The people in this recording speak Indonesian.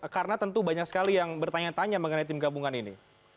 karena tentu banyak sekali yang bertanya tanya mengenai tim gabungan ini